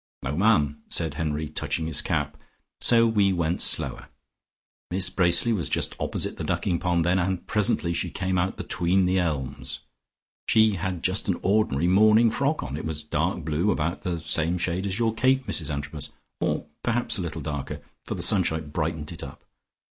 'No, ma'am,' said Henry touching his cap, so we went slower. Miss Bracely was just opposite the ducking pond then, and presently she came out between the elms. She had just an ordinary morning frock on; it was dark blue, about the same shade as your cape, Mrs Antrobus, or perhaps a little darker, for the sunshine brightened it up.